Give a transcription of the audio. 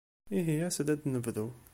Ihi as-d ad nebdu.